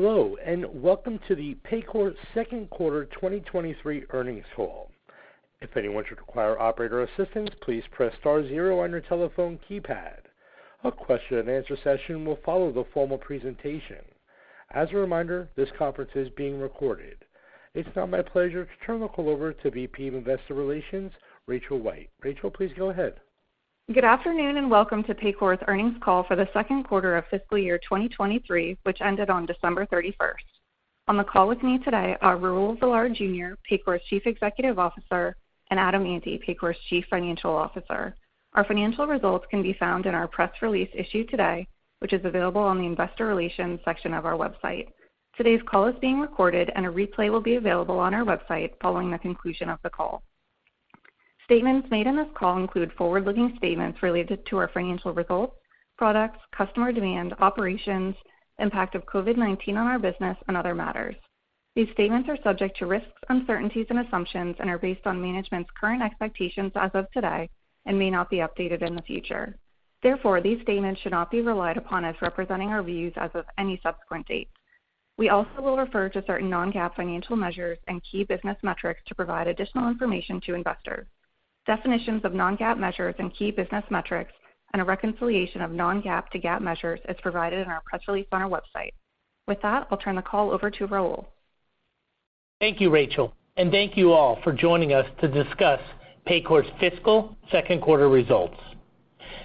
Welcome to the Paycor's Q2 2023 earnings call. If anyone should require operator assistance, please press star zero on your telephone keypad. A question-and-answer session will follow the formal presentation. As a reminder, this conference is being recorded. It's now my pleasure to turn the call over to VP of Investor Relations, Rachel White. Rachel, please go ahead. Good afternoon, and welcome to Paycor's earnings call for the Q2 of fiscal year 2023, which ended on December 31st. On the call with me today are Raul Villar, Jr., Paycor's Chief Executive Officer, and Adam Ante, Paycor's Chief Financial Officer. Our financial results can be found in our press release issued today, which is available on the investor relations section of our website. Today's call is being recorded, and a replay will be available on our website following the conclusion of the call. Statements made on this call include forward-looking statements related to our financial results, products, customer demand, operations, impact of COVID-19 on our business, and other matters. These statements are subject to risks, uncertainties, and assumptions and are based on management's current expectations as of today and may not be updated in the future. Therefore, these statements should not be relied upon as representing our views as of any subsequent date. We also will refer to certain non-GAAP financial measures and key business metrics to provide additional information to investors. Definitions of non-GAAP measures and key business metrics and a reconciliation of non-GAAP to GAAP measures is provided in our press release on our website. With that, I'll turn the call over to Raul. Thank you, Rachel. Thank you all for joining us to discuss Paycor's fiscal Q2 results.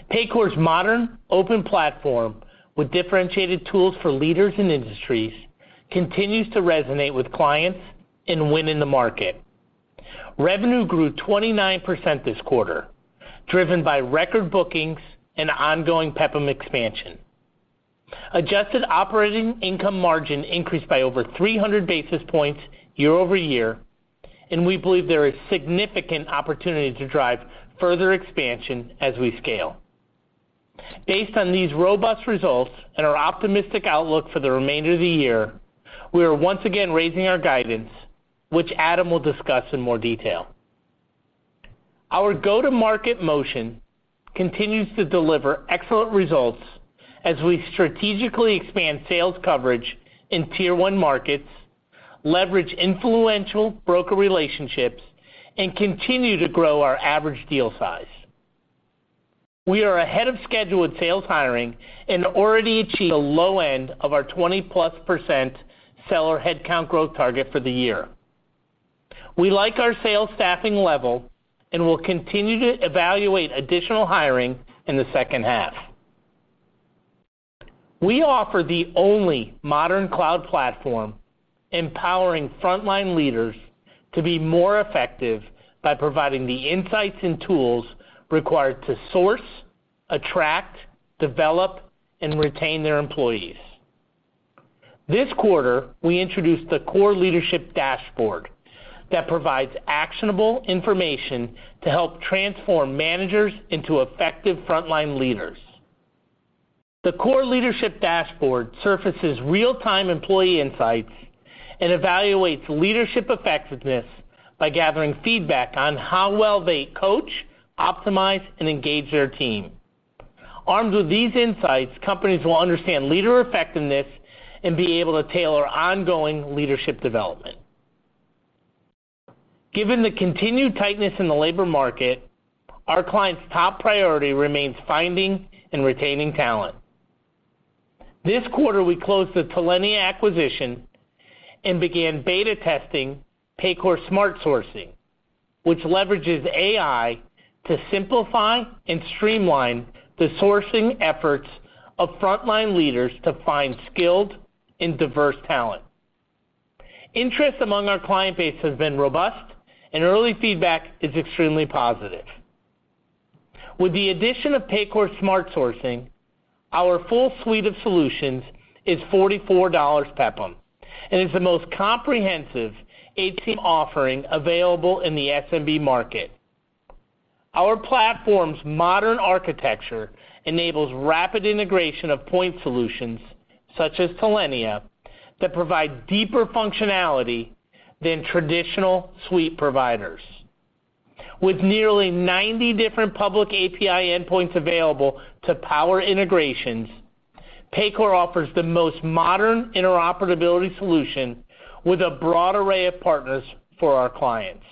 Paycor's modern, open platform with differentiated tools for leaders in industries continues to resonate with clients and win in the market. Revenue grew 29% this quarter, driven by record bookings and ongoing PEPM expansion. Adjusted operating income margin increased by over 300 basis points year-over-year. We believe there is significant opportunity to drive further expansion as we scale. Based on these robust results and our optimistic outlook for the remainder of the year, we are once again raising our guidance, which Adam will discuss in more detail. Our go-to-market motion continues to deliver excellent results as we strategically expand sales coverage in tier-one markets, leverage influential broker relationships, and continue to grow our average deal size. We are ahead of schedule with sales hiring and already achieved a low end of our 20%+ seller headcount growth target for the year. We like our sales staffing level and will continue to evaluate additional hiring in the second half. We offer the only modern cloud platform empowering frontline leaders to be more effective by providing the insights and tools required to source, attract, develop, and retain their employees. This quarter, we introduced the Core Leadership Dashboard that provides actionable information to help transform managers into effective frontline leaders. The Core Leadership Dashboard surfaces real-time employee insights and evaluates leadership effectiveness by gathering feedback on how well they coach, optimize, and engage their team. Armed with these insights, companies will understand leader effectiveness and be able to tailor ongoing leadership development. Given the continued tightness in the labor market, our clients' top priority remains finding and retaining talent. This quarter, we closed the Talenya acquisition and began beta testing Paycor Smart Sourcing, which leverages AI to simplify and streamline the sourcing efforts of frontline leaders to find skilled and diverse talent. Interest among our client base has been robust and early feedback is extremely positive. With the addition of Paycor Smart Sourcing, our full suite of solutions is $44 PPAM, and it's the most comprehensive HCM offering available in the SMB market. Our platform's modern architecture enables rapid integration of point solutions, such as Talenya, that provide deeper functionality than traditional suite providers. With nearly 90 different public API endpoints available to power integrations, Paycor offers the most modern interoperability solution with a broad array of partners for our clients.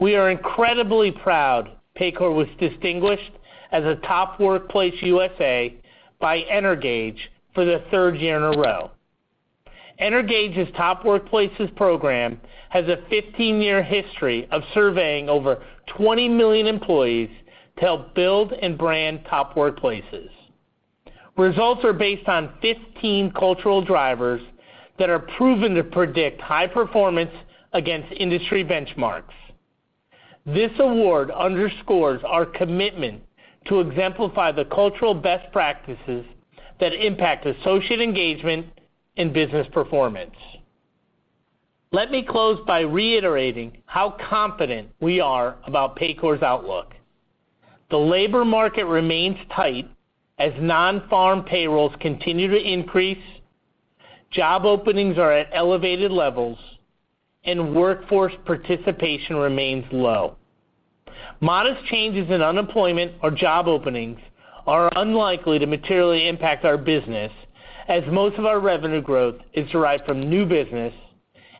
We are incredibly proud Paycor was distinguished as a Top Workplaces USA by Energage for the third year in a row. Energage's Top Workplaces program has a 15-year history of surveying over 20 million employees to help build and brand Top Workplaces. Results are based on 15 cultural drivers that are proven to predict high performance against industry benchmarks. This award underscores our commitment to exemplify the cultural best practices that impact associate engagement and business performance. Let me close by reiterating how confident we are about Paycor's outlook. The labor market remains tight as non-farm payrolls continue to increase, job openings are at elevated levels, and workforce participation remains low. Modest changes in unemployment or job openings are unlikely to materially impact our business as most of our revenue growth is derived from new business,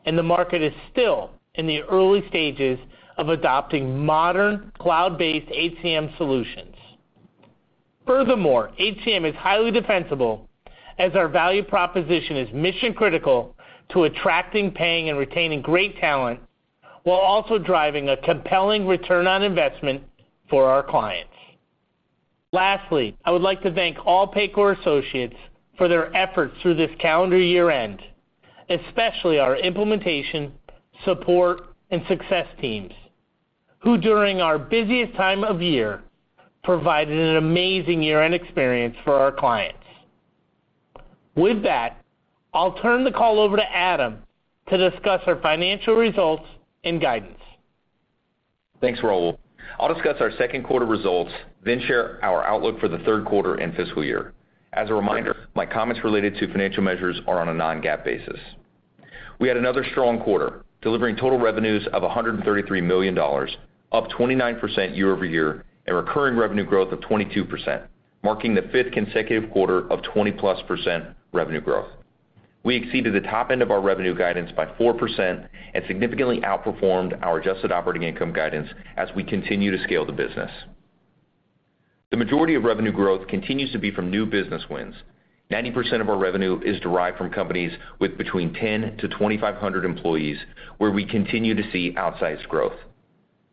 and the market is still in the early stages of adopting modern cloud-based HCM solutions. Furthermore, HCM is highly defensible as our value proposition is mission-critical to attracting, paying, and retaining great talent while also driving a compelling ROI for our clients. Lastly, I would like to thank all Paycor associates for their efforts through this calendar year-end, especially our implementation, support, and success teams, who during our busiest time of year, provided an amazing year-end experience for our clients. With that, I'll turn the call over to Adam to discuss our financial results and guidance. Thanks, Raul. I'll discuss our Q2 results, then share our outlook for the Q3 and fiscal year. As a reminder, my comments related to financial measures are on a non-GAAP basis. We had another strong quarter, delivering total revenues of $133 million, up 29% year-over-year, and recurring revenue growth of 22%, marking the fifth consecutive quarter of 20-plus% revenue growth. We exceeded the top end of our revenue guidance by 4% and significantly outperformed our adjusted operating income guidance as we continue to scale the business. The majority of revenue growth continues to be from new business wins. 90% of our revenue is derived from companies with between 10 to 2,500 employees, where we continue to see outsized growth.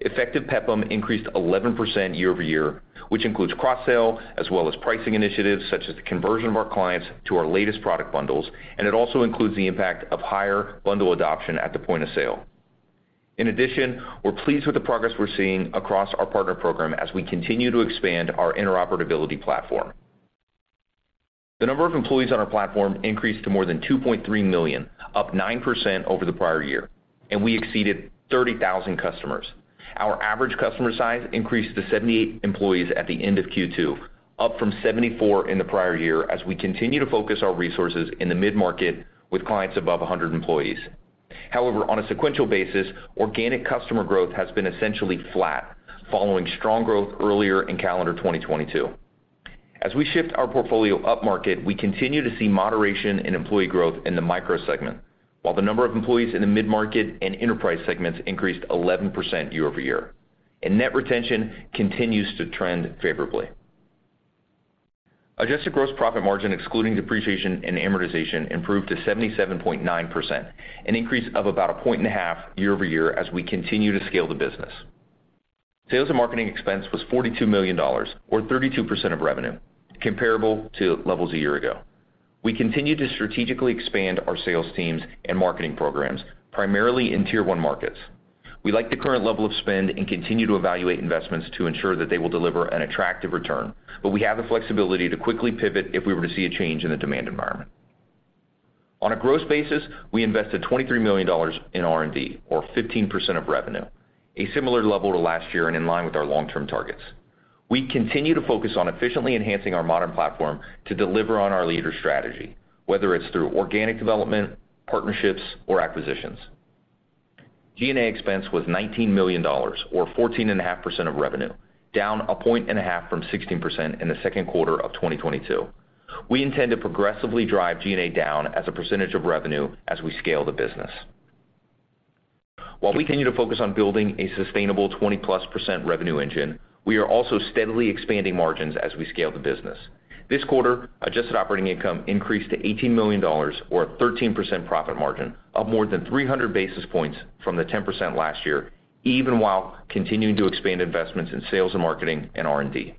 Effective PEPPM increased 11% year-over-year, which includes cross-sale as well as pricing initiatives, such as the conversion of our clients to our latest product bundles, and it also includes the impact of higher bundle adoption at the point of sale. We're pleased with the progress we're seeing across our partner program as we continue to expand our interoperability platform. The number of employees on our platform increased to more than 2.3 million, up 9% over the prior year, and we exceeded 30,000 customers. Our average customer size increased to 78 employees at the end of Q2, up from 74 in the prior year as we continue to focus our resources in the mid-market with clients above 100 employees. On a sequential basis, organic customer growth has been essentially flat following strong growth earlier in calendar 2022. As we shift our portfolio upmarket, we continue to see moderation in employee growth in the micro segment, while the number of employees in the mid-market and enterprise segments increased 11% year-over-year. Net retention continues to trend favorably. Adjusted gross profit margin, excluding depreciation and amortization, improved to 77.9%, an increase of about 1.5 percentage points year-over-year as we continue to scale the business. Sales and marketing expense was $42 million or 32% of revenue, comparable to levels a year ago. We continue to strategically expand our sales teams and marketing programs, primarily in Tier 1 markets. We like the current level of spend and continue to evaluate investments to ensure that they will deliver an attractive return, but we have the flexibility to quickly pivot if we were to see a change in the demand environment. On a gross basis, we invested $23 million in R&D or 15% of revenue, a similar level to last year and in line with our long-term targets. We continue to focus on efficiently enhancing our modern platform to deliver on our leader strategy, whether it's through organic development, partnerships, or acquisitions. G&A expense was $19 million or 14.5% of revenue, down a point and a half from 16% in the Q2 of 2022. We intend to progressively drive G&A down as a percentage of revenue as we scale the business. While we continue to focus on building a sustainable 20%+ revenue engine, we are also steadily expanding margins as we scale the business. This quarter, adjusted operating income increased to $18 million or a 13% profit margin, up more than 300 basis points from the 10% last year, even while continuing to expand investments in sales and marketing and R&D.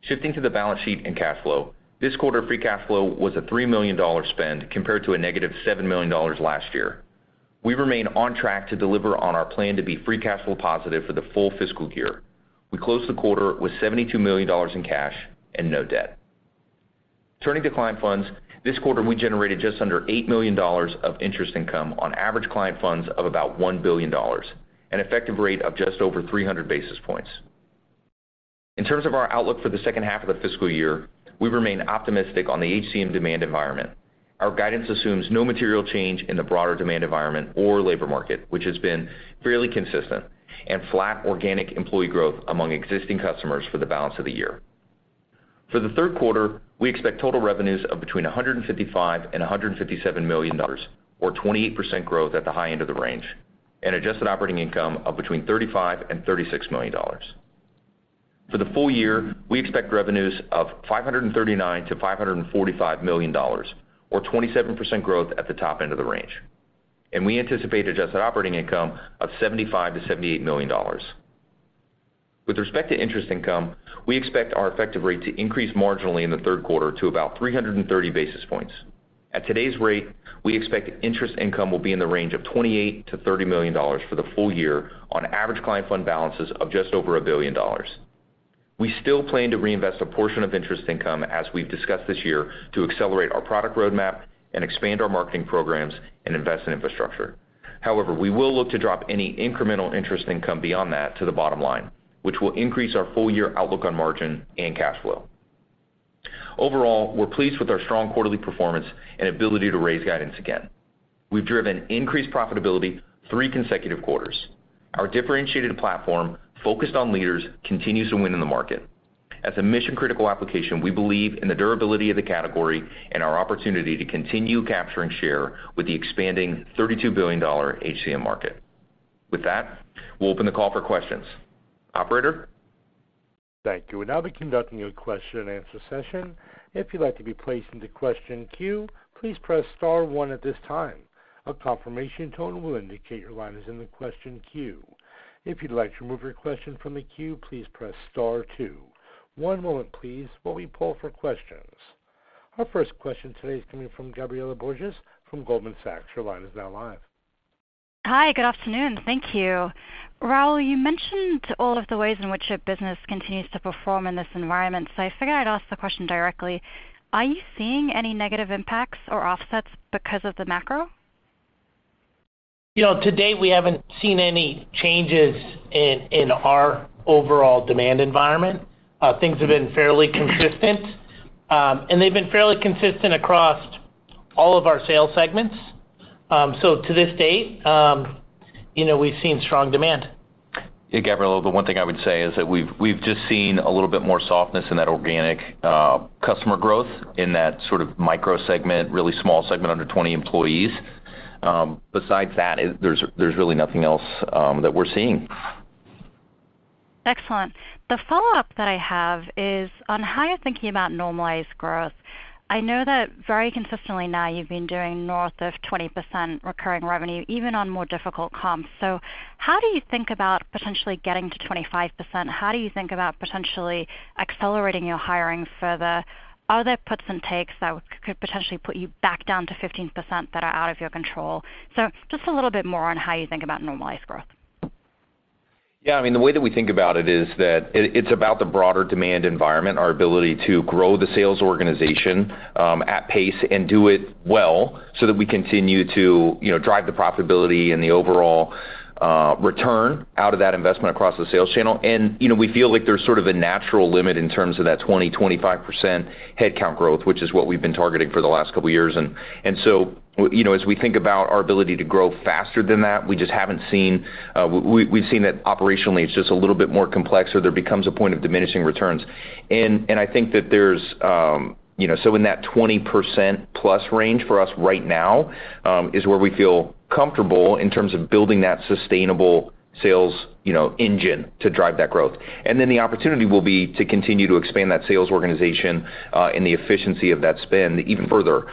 Shifting to the balance sheet and cash flow, this quarter free cash flow was a $3 million spend compared to a negative $7 million last year. We remain on track to deliver on our plan to be free cash flow positive for the full fiscal year. We closed the quarter with $72 million in cash and no debt. Turning to client funds, this quarter, we generated just under $8 million of interest income on average client funds of about $1 billion, an effective rate of just over 300 basis points. In terms of our outlook for the second half of the fiscal year, we remain optimistic on the HCM demand environment. Our guidance assumes no material change in the broader demand environment or labor market, which has been fairly consistent and flat organic employee growth among existing customers for the balance of the year. For the third quarter, we expect total revenues of between $155 million and $157 million, or 28% growth at the high end of the range, and adjusted operating income of between $35 million and $36 million. For the full year, we expect revenues of $539 million-$545 million or 27% growth at the top end of the range. We anticipate adjusted operating income of $75 million-$78 million. With respect to interest income, we expect our effective rate to increase marginally in the Q3 to about 330 basis points. At today's rate, we expect interest income will be in the range of $28 million-$30 million for the full year on average client fund balances of just over $1 billion. We still plan to reinvest a portion of interest income as we've discussed this year to accelerate our product roadmap and expand our marketing programs and invest in infrastructure. We will look to drop any incremental interest income beyond that to the bottom line, which will increase our full year outlook on margin and cash flow. We're pleased with our strong quarterly performance and ability to raise guidance again. We've driven increased profitability three consecutive quarters. Our differentiated platform, focused on leaders, continues to win in the market. As a mission-critical application, we believe in the durability of the category and our opportunity to continue capturing share with the expanding $32 billion HCM market. With that, we'll open the call for questions. Operator? Thank you. We'll now be conducting a question-and-answer session. If you'd like to be placed into question queue, please press star one at this time. A confirmation tone will indicate your line is in the question queue. If you'd like to remove your question from the queue, please press star two. One moment please while we poll for questions. Our first question today is coming from Gabriela Borges from Goldman Sachs. Your line is now live. Hi, good afternoon. Thank you. Raul, you mentioned all of the ways in which your business continues to perform in this environment. I figured I'd ask the question directly: Are you seeing any negative impacts or offsets because of the macro? To date, we haven't seen any changes in our overall demand environment. Things have been fairly consistent. They've been fairly consistent across all of our sales segments. To this date we've seen strong demand. Gabriela, the one thing I would say is that we've just seen a little bit more softness in that organic customer growth in that sort of micro segment, really small segment, under 20 employees. Besides that, there's really nothing else that we're seeing. Excellent. The follow-up that I have is on how you're thinking about normalized growth. I know that very consistently now you've been doing north of 20% recurring revenue, even on more difficult comps. How do you think about potentially getting to 25%? How do you think about potentially accelerating your hiring further? Are there puts and takes that could potentially put you back down to 15% that are out of your control? Just a little bit more on how you think about normalized growth. Yeah. The way that we think about it is that it's about the broader demand environment, our ability to grow the sales organization at pace and do it well, so that we continue to, you know, drive the profitability and the overall return out of that investment across the sales channel. You know, we feel like there's sort of a natural limit in terms of that 20%-25% headcount growth, which is what we've been targeting for the last couple of years. You know, as we think about our ability to grow faster than that, we've seen that operationally, it's just a little bit more complex, so there becomes a point of diminishing returns. In that 20% plus range for us right now, is where we feel comfortable in terms of building that sustainable sales engine to drive that growth. The opportunity will be to continue to expand that sales organization, and the efficiency of that spend even further.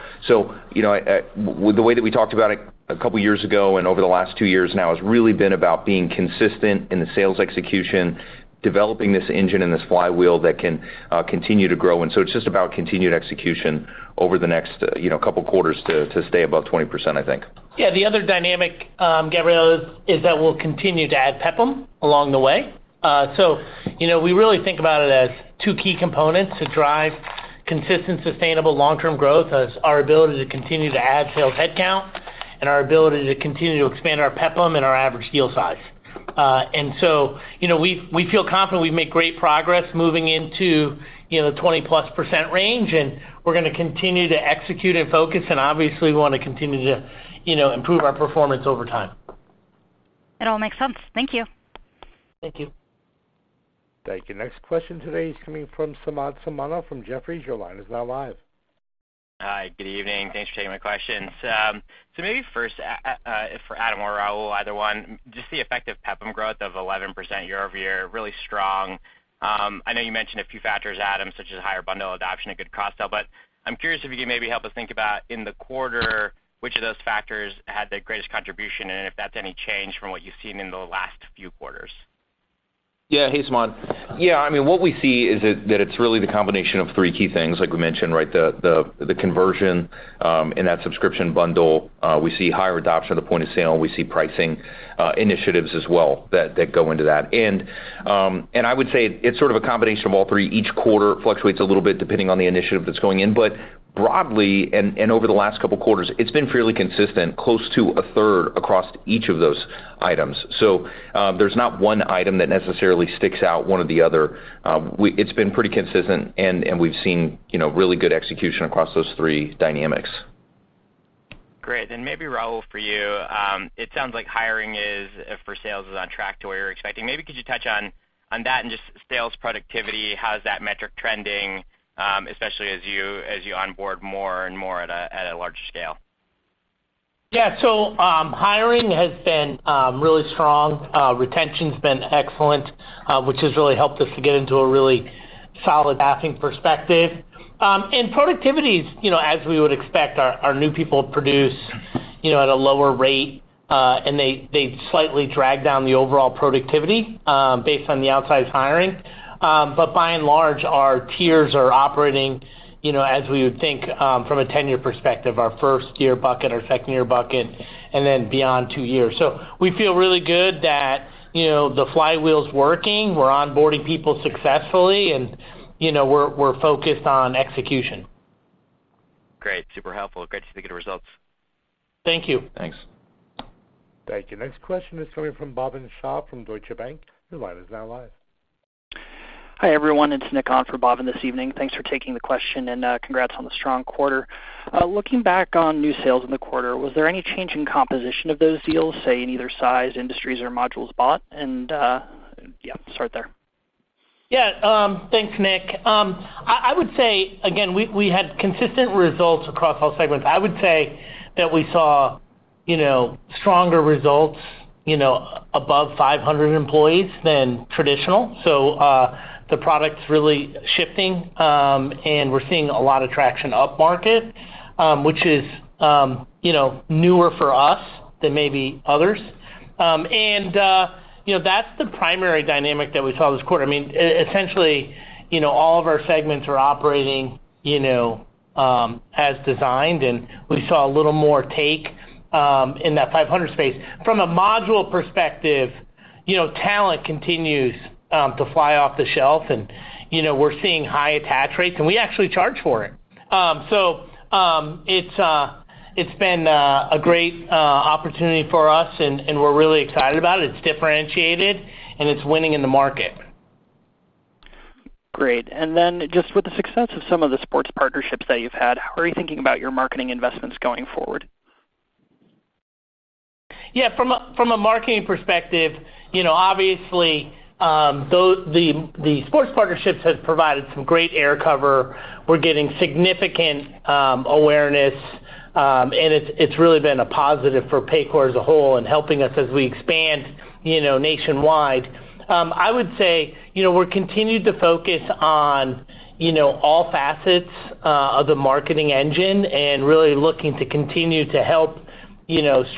With the way that we talked about it a couple of years ago and over the last two years now has really been about being consistent in the sales execution, developing this engine and this flywheel that can continue to grow. It's just about continued execution over the next, you know, couple quarters to stay above 20%, I think. Yeah. The other dynamic, Gabriela, is that we'll continue to add PEPDM along the way. We really think about it as two key components to drive consistent, sustainable long-term growth as our ability to continue to add sales headcount and our ability to continue to expand our PEPDM and our average deal size. We feel confident we've made great progress moving into, you know, the 20+% range, and we're gonna continue to execute and focus and obviously wanna continue to, you know, improve our performance over time. It all makes sense. Thank you. Thank you. Thank you. Next question today is coming from Samad Samana from Jefferies. Your line is now live. Hi, good evening. Thanks for taking my questions. Maybe first, for Adam or Raul, either one, just the effective PEPDM growth of 11% year-over-year, really strong. I know you mentioned a few factors, Adam, such as higher bundle adoption and good cost out, but I'm curious if you could maybe help us think about in the quarter, which of those factors had the greatest contribution, and if that's any change from what you've seen in the last few quarters. Yeah. Hey, Samad. Yeah, what we see is that it's really the combination of three key things, like we mentioned, right? The conversion in that subscription bundle. We see higher adoption at the point of sale. We see pricing initiatives as well that go into that. I would say it's sort of a combination of all three. Each quarter fluctuates a little bit depending on the initiative that's going in. Broadly, and over the last couple of quarters, it's been fairly consistent, close to a third across each of those items. There's not one item that necessarily sticks out one or the other. It's been pretty consistent, and we've seen, you know, really good execution across those three dynamics. Great. Maybe Raul, for you, it sounds like hiring is, for sales is on track to where you're expecting. Maybe could you touch on that and just sales productivity, how is that metric trending, especially as you onboard more and more at a large scale? Yeah. Hiring has been really strong. Retention's been excellent, which has really helped us to get into a really solid staffing perspective. Productivity is as we would expect, our new people produce at a lower rate, and they slightly drag down the overall productivity, based on the outside hiring. By and large, our tiers are operating as we would think, from a tenure perspective, our first-year bucket, our second-year bucket, and then beyond two years. We feel really good that, you know, the flywheel's working, we're onboarding people successfully, and, you know, we're focused on execution. Great. Super helpful. Great to see the good results. Thank you. Thanks. Thank you. Next question is coming from Bhavin Shah from Deutsche Bank. Your line is now live. Hi, everyone. It's Nick on for Bhavin this evening. Thanks for taking the question, and congrats on the strong quarter. Looking back on new sales in the quarter, was there any change in composition of those deals, say, in either size, industries or modules bought? Yeah, start there. Yeah. Thanks, Nick. I would say, again, we had consistent results across all segments. I would say that we saw stronger results, you know, above 500 employees than traditional. The product's really shifting, and we're seeing a lot of traction up market, which is newer for us than maybe others. That's the primary dynamic that we saw this quarter. Essentially, you know, all of our segments are operating as designed, and we saw a little more take in that 500 space. From a module perspective talent continues to fly off the shelf and, we're seeing high attach rates, and we actually charge for it. It's been a great opportunity for us and we're really excited about it. It's differentiated, and it's winning in the market. Great. Then just with the success of some of the sports partnerships that you've had, how are you thinking about your marketing investments going forward? Yeah. From a marketing perspective, you know, obviously, the sports partnerships has provided some great air cover. We're getting significant awareness, and it's really been a positive for Paycor as a whole in helping us as we expand, you know, nationwide. I would say we're continued to focus on, you know, all facets of the marketing engine and really looking to continue to help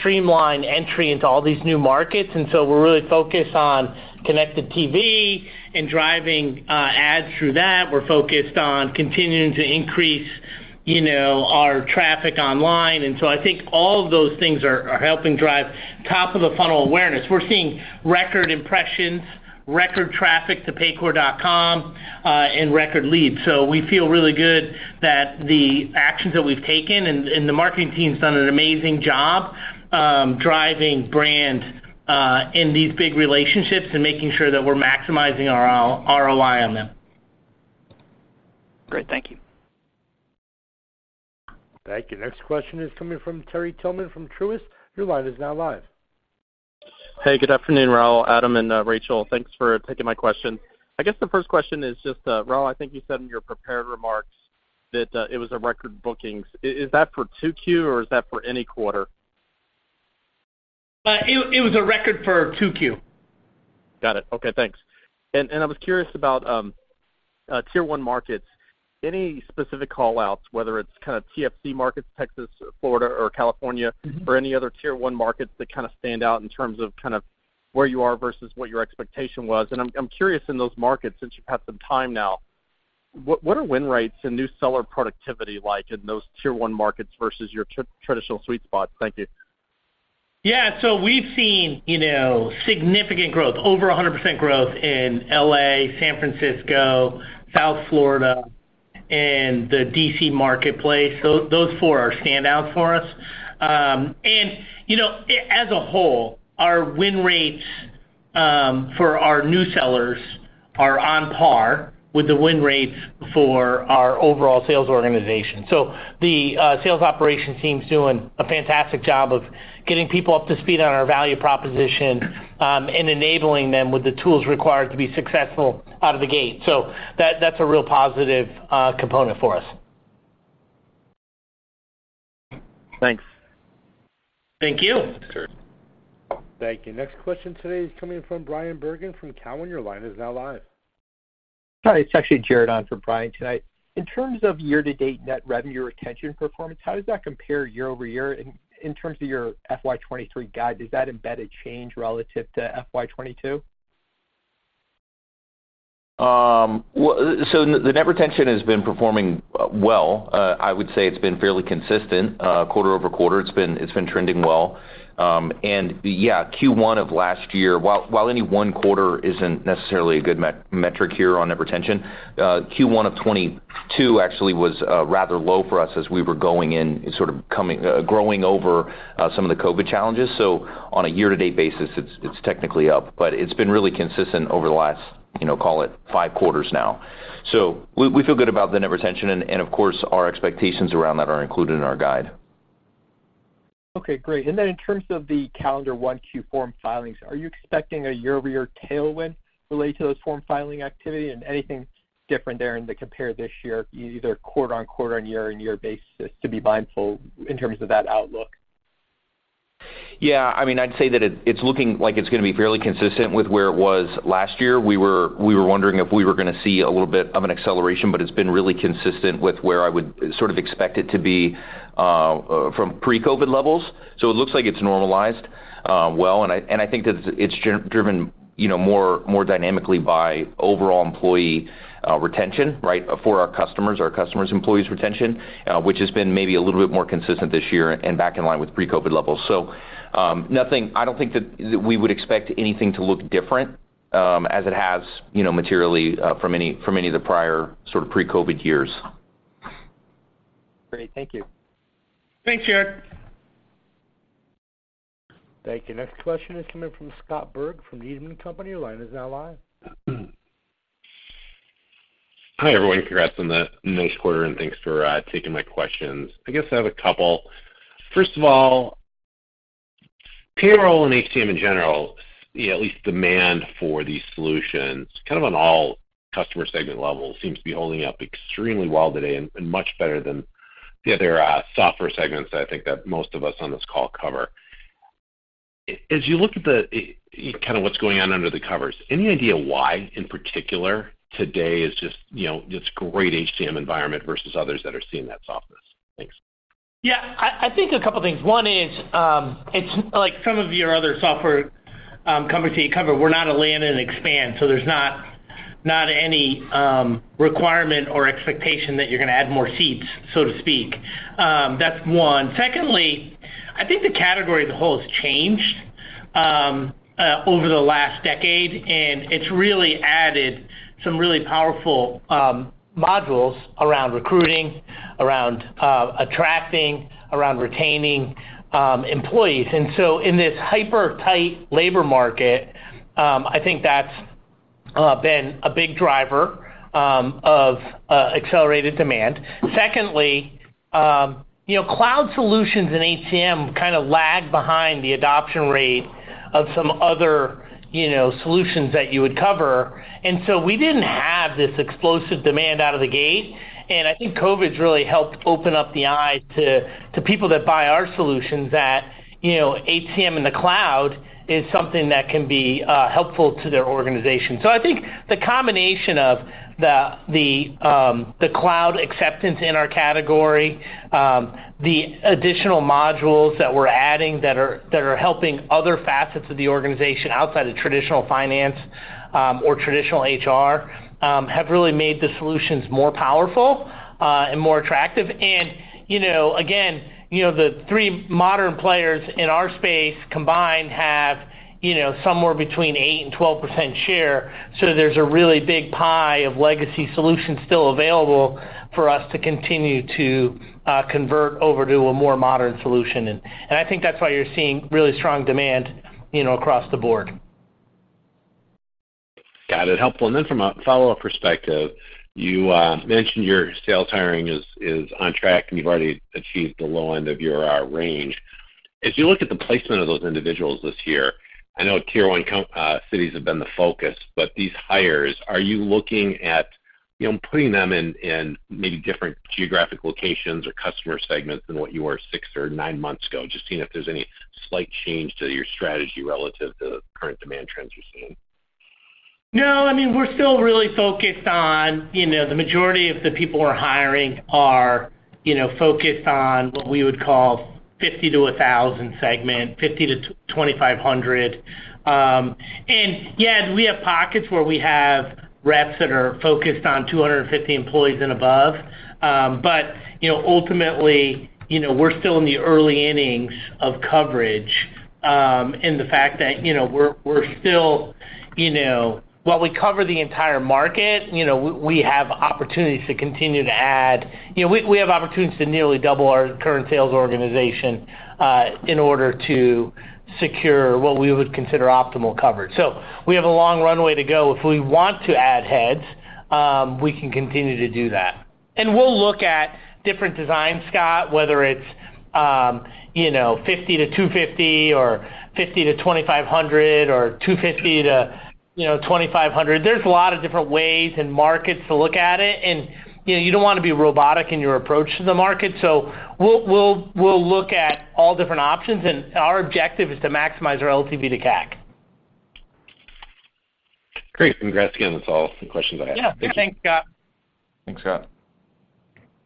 streamline entry into all these new markets. We're really focused on connected TV and driving ads through that. We're focused on continuing to increase our traffic online. I think all of those things are helping drive top of the funnel awareness. We're seeing record impressions, record traffic to paycor.com, and record leads. We feel really good that the actions that we've taken and the marketing team's done an amazing job, driving brand, in these big relationships and making sure that we're maximizing our ROI on them. Great. Thank you. Thank you. Next question is coming from Terry Tillman from Truist. Your line is now live. Hey, good afternoon, Raul, Adam, and Rachel. Thanks for taking my question. The first question is just, Raul, I think you said in your prepared remarks that it was a record bookings. Is that for 2Q or is that for any quarter? It was a record for two Q. Got it. Okay, thanks. I was curious about Tier 1 markets. Any specific call-outs, whether it's kind of TFC markets, Texas or Florida or California? Mm-hmm Any other tier one markets that kind of stand out in terms of kind of where you are versus what your expectation was? I'm curious in those markets, since you've had some time now, what are win rates and new seller productivity like in those tier one markets versus your traditional sweet spot? Thank you. We've seen significant growth, over 100% growth in L.A., San Francisco, South Florida, and the D.C. marketplace. Those four are standouts for us. As a whole, our win rates for our new sellers are on par with the win rates for our overall sales organization. The sales operation team's doing a fantastic job of getting people up to speed on our value proposition and enabling them with the tools required to be successful out of the gate. That, that's a real positive component for us. Thanks. Thank you. Sure. Thank you. Next question today is coming from Bryan Bergin from Cowen. Your line is now live. Sorry. It's actually Jared on for Brian tonight. In terms of year-to-date net revenue retention performance, how does that compare year-over-year? In terms of your FY23 guide, does that embed a change relative to FY22? Well, the net retention has been performing well. I would say it's been fairly consistent quarter-over-quarter. It's been trending well. Yeah, Q1 of last year, while any one quarter isn't necessarily a good metric here on net retention, Q1 of 2022 actually was rather low for us as we were going in and sort of growing over some of the COVID challenges. On a year-to-date basis, it's technically up, but it's been really consistent over the last, you know, call it 5 quarters now. We feel good about the net retention and of course, our expectations around that are included in our guide. Okay, great. In terms of the calendar 1Q form filings, are you expecting a year-over-year tailwind related to those form filing activity and anything different there in the compare this year, either quarter-over-quarter and year-over-year basis to be mindful in terms of that outlook? Yeah. I'd say that it's looking like it's gonna be fairly consistent with where it was last year. We were wondering if we were gonna see a little bit of an acceleration, but it's been really consistent with where I would sort of expect it to be from pre-COVID levels. It looks like it's normalized well, and that it's driven more dynamically by overall employee retention, right, for our customers, our customers' employees retention, which has been maybe a little bit more consistent this year and back in line with pre-COVID levels. I don't think that we would expect anything to look different, as it has materially, from any of the prior sort of pre-COVID years. Great. Thank you. Thanks, Jared. Thank you. Next question is coming from Scott Berg from Needham & Company. Your line is now live. Hi, everyone. Congrats on the nice quarter, and thanks for taking my questions. I guess I have a couple. First of all, payroll and HCM in general at least demand for these solutions, kind of on all customer segment levels seems to be holding up extremely well today and much better than the other software segments that I think that most of us on this call cover. As you look at kind of what's going on under the covers, any idea why in particular today is just great HCM environment versus others that are seeing that softness? Thanks. Yeah. I think a couple things. One is, it's like some of your other software companies that you cover, we're not a land and expand, so there's not any requirement or expectation that you're gonna add more seats, so to speak. That's one. Secondly, I think the category as a whole has changed over the last decade, and it's really added some really powerful modules around recruiting, around attracting, around retaining employees. In this hyper-tight labor market, I think that's been a big driver of accelerated demand. Secondly, you know, cloud solutions and HCM kinda lag behind the adoption rate of some other, you know, solutions that you would cover. We didn't have this explosive demand out of the gate, and I think COVID-19's really helped open up the eyes to people that buy our solutions that, you know, HCM in the cloud is something that can be helpful to their organization. I think the combination of the cloud acceptance in our category, the additional modules that we're adding that are helping other facets of the organization outside of traditional finance or traditional HR, have really made the solutions more powerful and more attractive. You know, again, you know, the three modern players in our space combined have, you know, somewhere between 8% and 12% share, there's a really big pie of legacy solutions still available for us to continue to convert over to a more modern solution. I think that's why you're seeing really strong demand, you know, across the board. Got it. Helpful. From a follow-up perspective, you mentioned your sales hiring is on track, and you've already achieved the low end of your range. As you look at the placement of those individuals this year, I know Tier 1 cities have been the focus, but these hires, are you looking at putting them in maybe different geographic locations or customer segments than what you were six or nine months ago, just seeing if there's any slight change to your strategy relative to current demand trends you're seeing? I mean, we're still really focused on the majority of the people we're hiring are focused on what we would call 50 to 1,000 segment, 50 to 2,500. Yeah, we have pockets where we have reps that are focused on 250 employees and above. Ultimately, you know, we're still in the early innings of coverage, and the fact that while we cover the entire market we have opportunities to continue to add. We have opportunities to nearly double our current sales organization, in order to secure what we would consider optimal coverage. We have a long runway to go. If we want to add heads, we can continue to do that. We'll look at different designs, Scott, whether it's, you know, 50 to 250 or 50 to 2,500 or 250 to, you know, 2,500. There's a lot of different ways and markets to look at it, and you don't wanna be robotic in your approach to the market. We'll look at all different options, and our objective is to maximize our LTV to CAC. Great. Congrats again. That's all the questions I have. Yeah. Thanks, Scott. Thanks, Scott.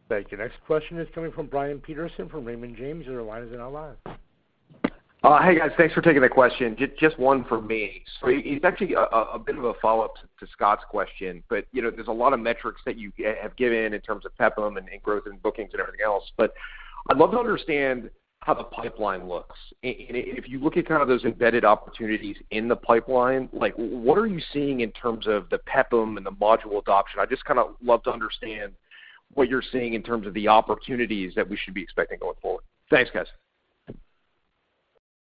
Thank you. Next question is coming from Brian Peterson from Raymond James. Your line is now live. Hey, guys. Thanks for taking the question. Just one for me. It's actually a bit of a follow-up to Scott's question, but, there's a lot of metrics that you have given in terms of PEPDM and growth in bookings and everything else. I'd love to understand how the pipeline looks. If you look at kind of those embedded opportunities in the pipeline, like what are you seeing in terms of the PEPDM and the module adoption? I'd just kind of love to understand what you're seeing in terms of the opportunities that we should be expecting going forward. Thanks, guys.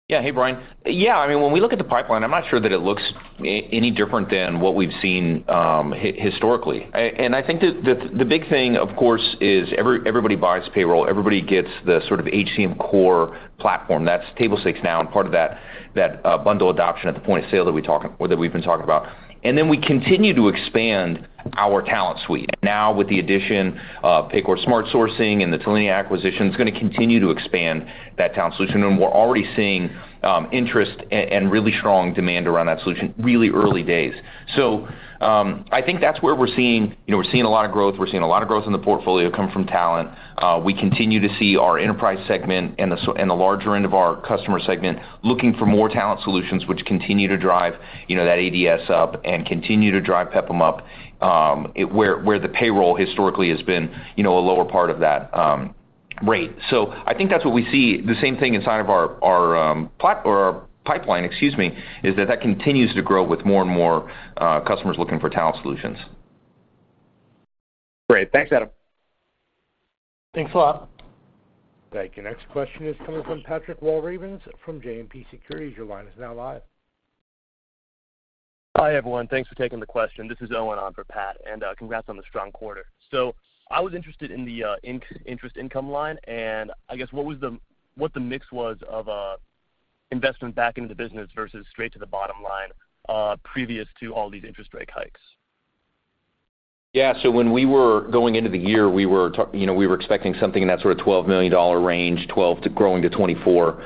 Yeah. Hey, Brian. Yeah, when we look at the pipeline, I'm not sure that it looks any different than what we've seen historically. The big thing, of course, is everybody buys payroll, everybody gets the sort of HCM core platform. That's Table stakes now and part of that bundle adoption at the point of sale that we've been talking about. Then we continue to expand our talent suite. Now with the addition of Paycor Smart Sourcing and the Talenya acquisition, it's gonna continue to expand that talent solution. We're already seeing interest and really strong demand around that solution, really early days. That's where we're seeing a lot of growth, we're seeing a lot of growth in the portfolio come from talent. We continue to see our enterprise segment and the larger end of our customer segment looking for more talent solutions, which continue to drive that ADS up and continue to drive PEPDM up, where the payroll historically has been a lower part of that. Great. That's what we see the same thing inside of our pipeline, excuse me, is that that continues to grow with more and more customers looking for talent solutions. Great. Thanks, Adam. Thanks a lot. Thank you. Next question is coming from Patrick Walravens from JMP Securities. Your line is now live. Hi, everyone. Thanks for taking the question. This is Owen on for Pat, congrats on the strong quarter. I was interested in the interest income line, and what the mix was of investment back into the business versus straight to the bottom line, previous to all these interest rate hikes. Yeah. When we were going into the year we were expecting something in that sort of $12 million range, 12 to growing to 24.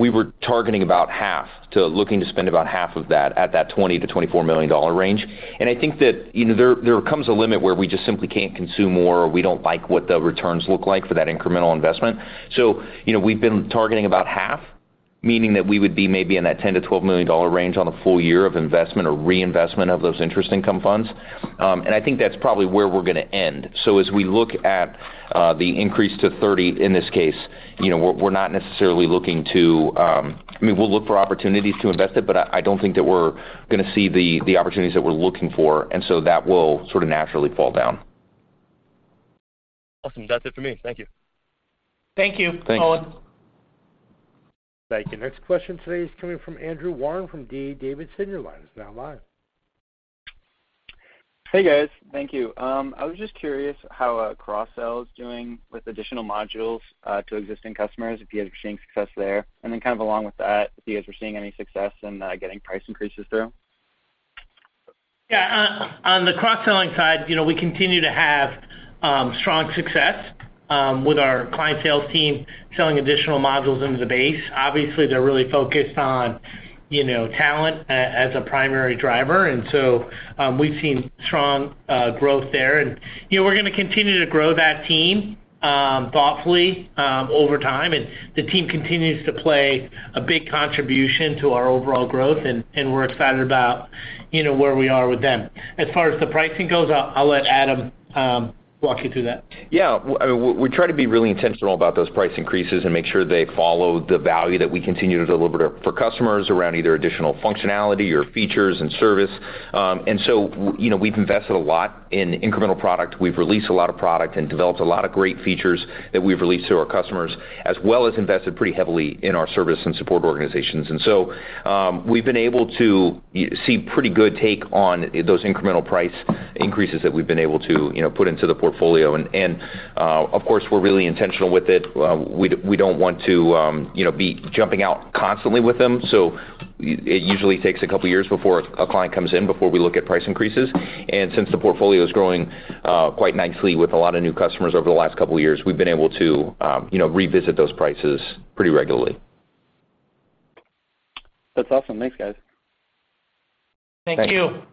We were targeting about half to looking to spend about half of that at that $20 million-$24 million range. There comes a limit where we just simply can't consume more, or we don't like what the returns look like for that incremental investment. You know, we've been targeting about half, meaning that we would be maybe in that $10 million-$12 million range on a full year of investment or reinvestment of those interest income funds. I think that's probably where we're gonna end. As we look at the increase to 30 in this case, you know, we're not necessarily looking to, I mean, we'll look for opportunities to invest it, but I don't think that we're gonna see the opportunities that we're looking for. That will sort of naturally fall down. Awesome. That's it for me. Thank you. Thank you, Owen. Thanks. Thank you. Next question today is coming from Andrew Warren from D.A. Davidson. Your line is now live. Hey, guys. Thank you. I was just curious how cross-sell is doing with additional modules to existing customers, if you had extreme success there? Kind of along with that, if you guys were seeing any success in getting price increases through? Yeah. On the cross-selling side we continue to have strong success with our client sales team selling additional modules into the base. Obviously, they're really focused on talent as a primary driver, and so, we've seen strong growth there. We're gonna continue to grow that team thoughtfully over time, and the team continues to play a big contribution to our overall growth, and we're excited about, you know, where we are with them. As far as the pricing goes, I'll let Adam walk you through that. Yeah. We try to be really intentional about those price increases and make sure they follow the value that we continue to deliver for customers around either additional functionality or features and service. We've invested a lot in incremental product. We've released a lot of product and developed a lot of great features that we've released to our customers, as well as invested pretty heavily in our service and support organizations. We've been able to see pretty good take on those incremental price increases that we've been able to, you know, put into the portfolio. Of course, we're really intentional with it. We don't want to be jumping out constantly with them, so it usually takes a couple of years before a client comes in before we look at price increases. Since the portfolio is growing, quite nicely with a lot of new customers over the last couple of years, we've been able to revisit those prices pretty regularly. That's awesome. Thanks, guys. Thank you. Thanks.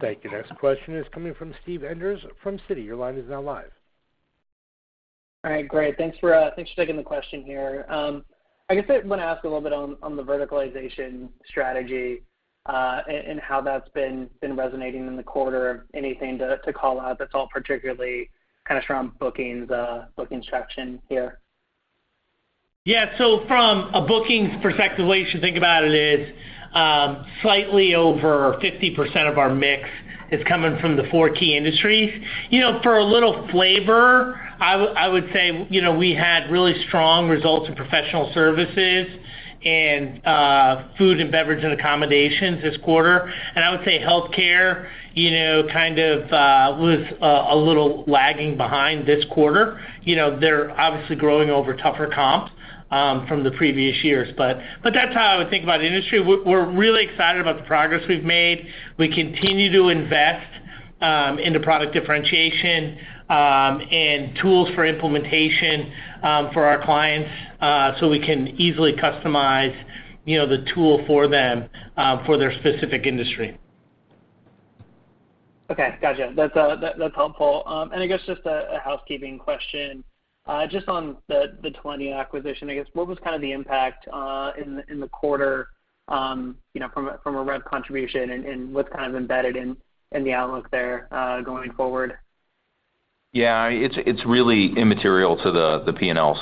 Thank you. Next question is coming from Steve Enders from Citi. Your line is now live. All right. Great. Thanks for taking the question here. I guess I wanna ask a little bit on the verticalization strategy, and how that's been resonating in the quarter. Anything to call out that's all particularly kind of from bookings, booking traction here? Yeah. From a bookings perspective, the way you should think about it is, slightly over 50% of our mix is coming from the four key industries. For a little flavor, I would say we had really strong results in professional services and food and beverage and accommodations this quarter. I would say healthcare kind of, was a little lagging behind this quarter. They're obviously growing over tougher comps from the previous years, but that's how I would think about the industry. We're really excited about the progress we've made. We continue to invest in the product differentiation and tools for implementation for our clients, so we can easily customize, you know, the tool for them, for their specific industry. Okay. Gotcha. That's helpful. I guess just a housekeeping question, just on the Talenya acquisition, I guess. What was kind of the impact in the quarter from a rev contribution and what's kind of embedded in the outlook there, going forward? Yeah. It's really immaterial to the P&L.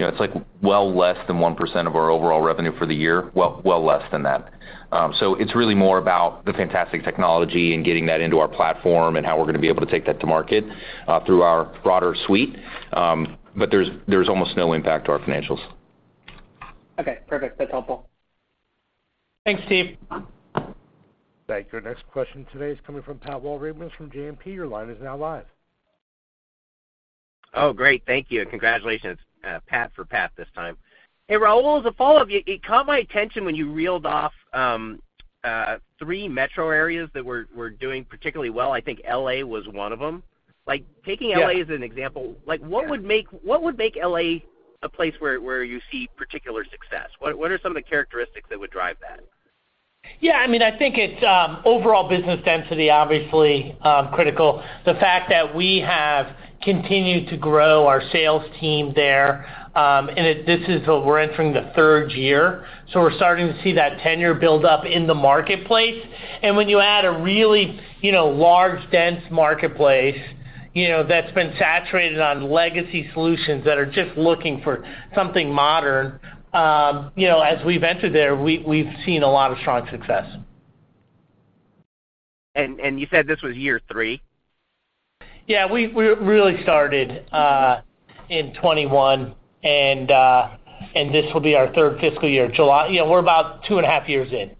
It's like, well less than 1% of our overall revenue for the year, well less than that. It's really more about the fantastic technology and getting that into our platform and how we're gonna be able to take that to market through our broader suite. There's almost no impact to our financials. Okay. Perfect. That's helpful. Thanks, Steve. Thank you. Our next question today is coming from Pat Walravens from JMP. Your line is now live. Great. Thank you, and congratulations. Pat for Pat this time. Hey, Raul, as a follow-up, it caught my attention when you reeled off three metro areas that were doing particularly well. I think L.A. was one of them. Yeah. L.A. as an example, like what would make L.A. a place where you see particular success? What are some of the characteristics that would drive that? Yeah. It's overall business density obviously critical. The fact that we have continued to grow our sales team there, this is what we're entering the third year, so we're starting to see that tenure build up in the marketplace. When you add a really, you know, large, dense marketplace. That's been saturated on legacy solutions that are just looking for something modern, as we've entered there, we've seen a lot of strong success. You said this was year three? Yeah. We really started in 2021, and this will be our third fiscal year. July... We're about 2 and a half years in.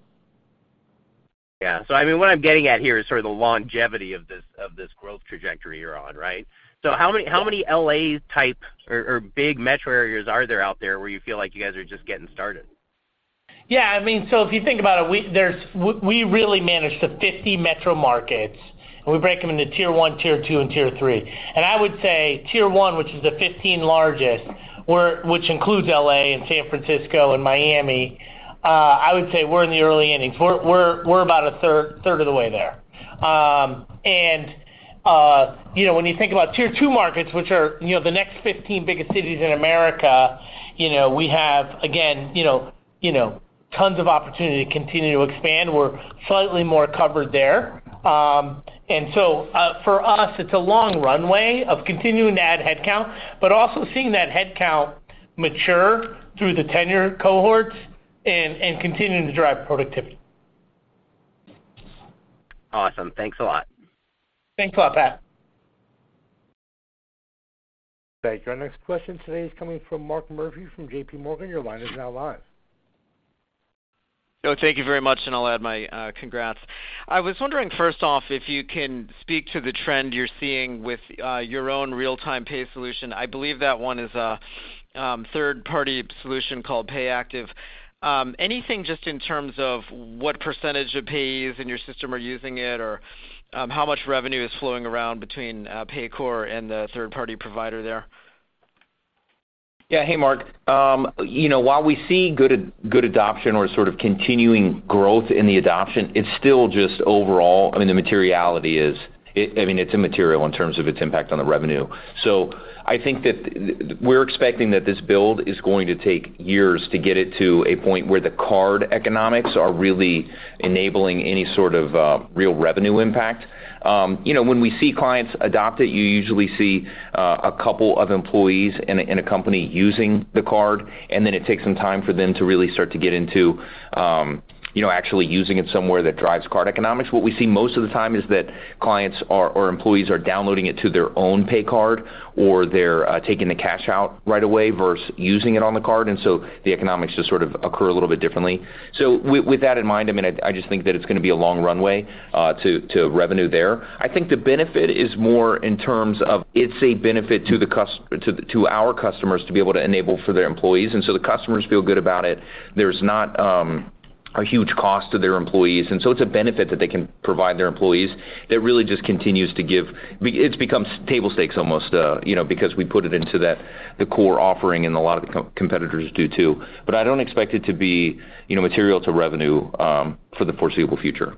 Yeah. What I'm getting at here is sort of the longevity of this, of this growth trajectory you're on, right? Yeah. How many L.A. type or big metro areas are there out there where you feel like you guys are just getting started? Yeah, If you think about it, we really manage to 50 metro markets, and we break them into Tier 1, Tier 2, and Tier 3. I would say Tier 1, which is the 15 largest, which includes L.A. and San Francisco and Miami, I would say we're in the early innings. We're about a third of the way there. When you think about Tier 2 markets, which are, you know, the next 15 biggest cities in America we have again, tons of opportunity to continue to expand. We're slightly more covered there. For us, it's a long runway of continuing to add headcount, but also seeing that headcount mature through the tenure cohorts and continuing to drive productivity. Awesome. Thanks a lot. Thanks a lot, Pat. Thank you. Our next question today is coming from Mark Murphy from J.P. Morgan. Your line is now live. Oh, thank you very much, and I'll add my congrats. I was wondering, first off, if you can speak to the trend you're seeing with your own real-time pay solution. I believe that one is a third-party solution called Payactiv. Anything just in terms of what % of payees in your system are using it or how much revenue is flowing around between Paycor and the third-party provider there? Hey, Mark. While we see good adoption or sort of continuing growth in the adoption, it's still just overall. The materiality is. I mean, it's immaterial in terms of its impact on the revenue. We're expecting that this build is going to take years to get it to a point where the card economics are really enabling any sort of, real revenue impact. When we see clients adopt it, you usually see a couple of employees in a company using the card, and then it takes some time for them to really start to get into, you know, actually using it somewhere that drives card economics. What we see most of the time is that clients or employees are downloading it to their own pay card or they're taking the cash out right away versus using it on the card. The economics just sort of occur a little bit differently. With that in mind, I just think that it's gonna be a long runway to revenue there, the benefit is more in terms of it's a benefit to our customers to be able to enable for their employees, the customers feel good about it. There's not a huge cost to their employees, it's a benefit that they can provide their employees that really just continues to give... It's become table stakes almost because we put it into that the core offering, and a lot of the competitors do too. I don't expect it to be material to revenue, for the foreseeable future.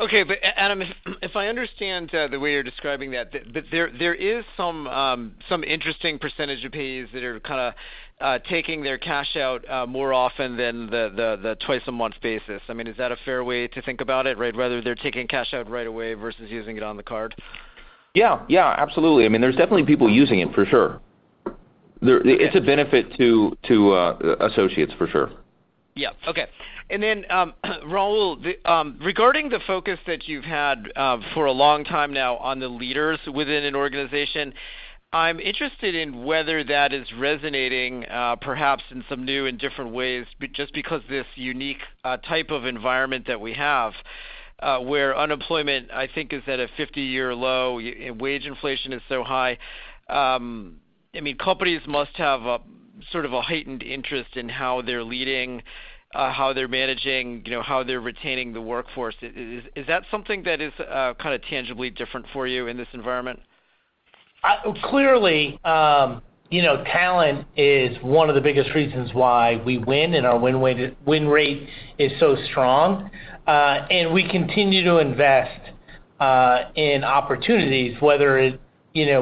Okay. Adam, if I understand the way you're describing that, there is some interesting percentage of payees that are kinda taking their cash out more often than the twice a month basis. I mean, is that a fair way to think about it, right? Whether they're taking cash out right away versus using it on the card? Yeah. Yeah. Absolutely. I mean, there's definitely people using it for sure. Okay. It's a benefit to associates for sure. Yeah. Okay. Raul, regarding the focus that you've had for a long time now on the leaders within an organization, I'm interested in whether that is resonating, perhaps in some new and different ways just because this unique type of environment that we have, where unemployment is at a 50-year low, wage inflation is so high. Companies must have a sort of a heightened interest in how they're leading, how they're managing how they're retaining the workforce. Is that something that is kinda tangibly different for you in this environment? Clearly, talent is one of the biggest reasons why we win and our win rate is so strong. We continue to invest in opportunities, whether it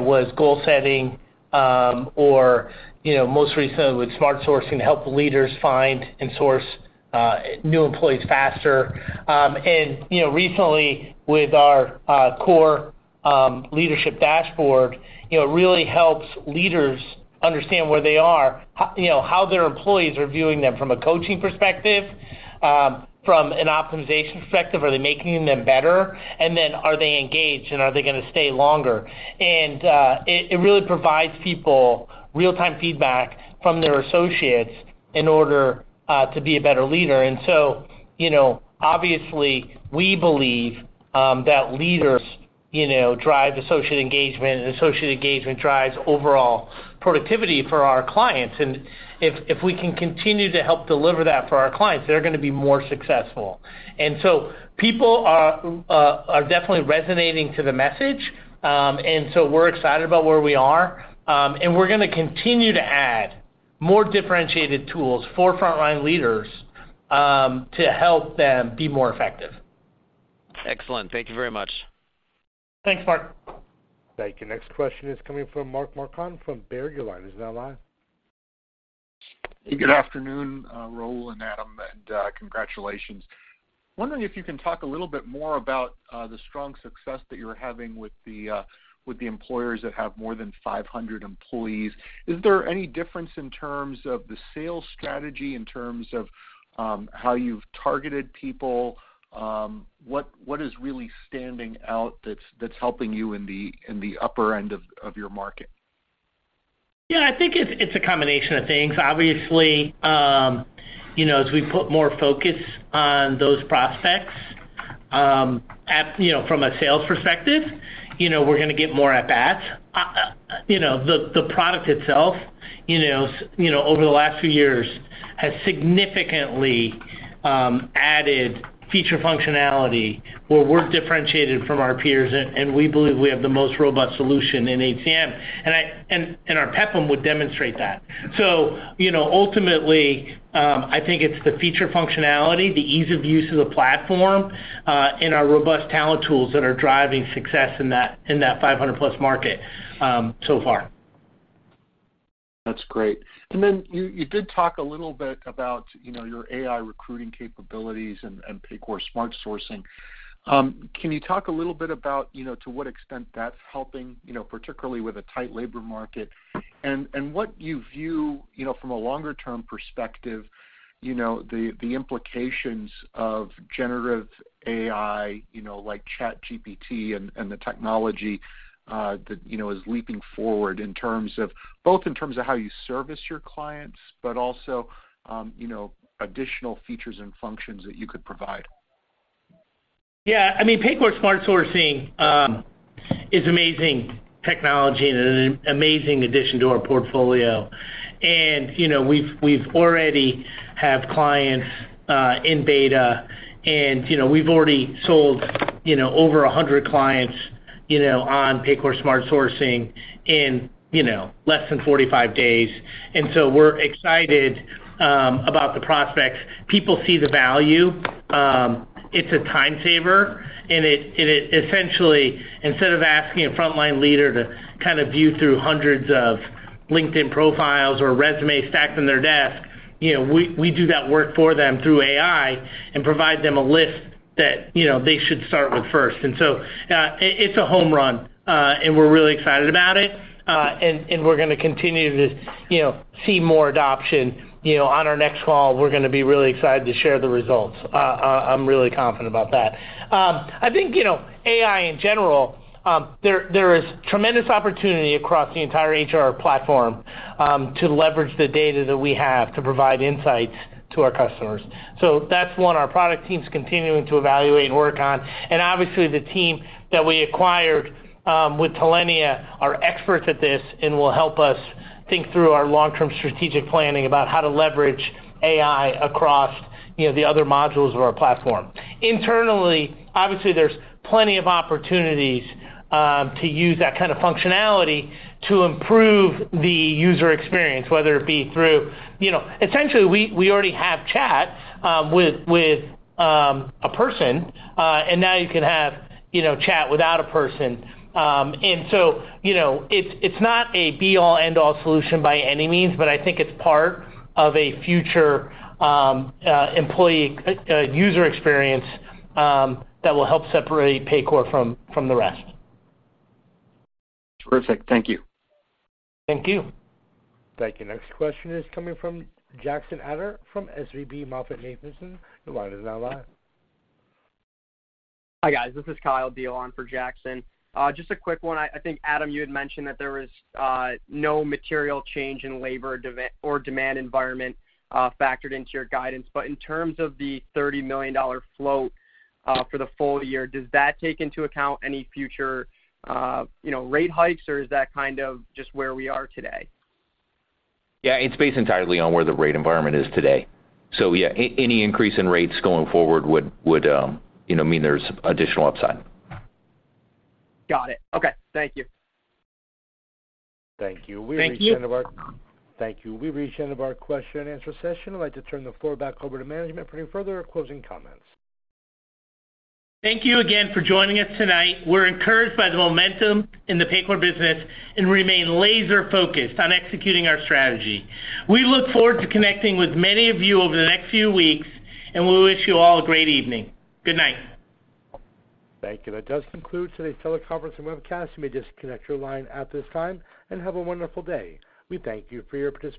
was goal setting, or, you know, most recently with Smart Sourcing to help leaders find and source new employees faster. Recently with our Core Leadership Dashboard really helps leaders understand where they are, how their employees are viewing them from a coaching perspective, from an optimization perspective, are they making them better? Are they engaged, and are they gonna stay longer? It, it really provides people real-time feedback from their associates in order to be a better leader. Obviously, we believe that leaders, you know, drive associate engagement, and associate engagement drives overall productivity for our clients. If we can continue to help deliver that for our clients, they're gonna be more successful. People are definitely resonating to the message. We're excited about where we are. We're gonna continue to add more differentiated tools for frontline leaders to help them be more effective. Excellent. Thank you very much. Thanks, Mark. Thank you. Next question is coming from Mark Marcon from Baird. Your line is now live. Good afternoon, Raul and Adam, congratulations. Wondering if you can talk a little bit more about the strong success that you're having with the employers that have more than 500 employees. Is there any difference in terms of the sales strategy, in terms of how you've targeted people? What is really standing out that's helping you in the upper end of your market? Yeah, It's a combination of things. Obviously as we put more focus on those prospects from a sales perspective we're going to get more at bats. The product itself over the last few years has significantly added feature functionality where we're differentiated from our peers and we believe we have the most robust solution in HCM. Our PEPPM would demonstrate that. Ultimately, it's the feature functionality, the ease of use of the platform, and our robust talent tools that are driving success in that, in that 500 plus market, so far. That's great. Then you did talk a little bit about, you know, your AI recruiting capabilities and Paycor Smart Sourcing. Can you talk a little bit about, to what extent that's helping particularly with the tight labor market, and what you view from a longer term perspective, you know, the implications of generative AI like ChatGPT and the technology that is leaping forward both in terms of how you service your clients, but also additional features and functions that you could provide? Yeah. Paycor Smart Sourcing is amazing technology and an amazing addition to our portfolio. We've already have clients in beta and we've already sold over 100 clients on Paycor Smart Sourcing in less than 45 days. We're excited about the prospects. People see the value. It's a time saver, and it essentially, instead of asking a frontline leader to kind of view through hundreds of LinkedIn profiles or resumes stacked on their desk we do that work for them through AI and provide them a list that they should start with first. It's a home run, and we're really excited about it. We're gonna continue to see more adoption. On our next call, we're gonna be really excited to share the results. I'm really confident about that AI in general, there is tremendous opportunity across the entire HR platform to leverage the data that we have to provide insights to our customers. That's one our product team's continuing to evaluate and work on. Obviously, the team that we acquired with Talenya are experts at this and will help us think through our long-term strategic planning about how to leverage AI across, you know, the other modules of our platform. Internally, obviously, there's plenty of opportunities to use that kind of functionality to improve the user experience, whether it be through... Essentially, we already have chat with a person, and now you can have, you know, chat without a person. It's not a be-all, end-all solution by any means, but I think it's part of a future user experience that will help separate Paycor from the rest. Terrific. Thank you. Thank you. Thank you. Next question is coming from Jackson Ader from SVB MoffettNathanson. Your line is now live. Hi, guys. This is Kyle Dion for Jackson. Just a quick one. I think, Adam, you had mentioned that there was no material change in labor or demand environment, factored into your guidance. In terms of the $30 million float for the full year, does that take into account any future rate hikes, or is that kind of just where we are today? It's based entirely on where the rate environment is today. yeah, any increase in rates going forward would mean there's additional upside. Got it. Okay. Thank you. Thank you. Thank you. Thank you. We've reached the end of our question and answer session. I'd like to turn the floor back over to management for any further closing comments. Thank you again for joining us tonight. We're encouraged by the momentum in the Paycor business and remain laser focused on executing our strategy. We look forward to connecting with many of you over the next few weeks, and we wish you all a great evening. Good night. Thank you. That does conclude today's teleconference and webcast. You may disconnect your line at this time, and have a wonderful day. We thank you for your participation.